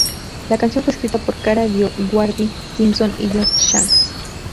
La canción fue escrita por Kara DioGuardi, Simpson y John Shanks.